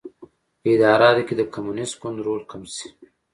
په اداراتو کې د کمونېست ګوند رول کم شي.